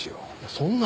そんな。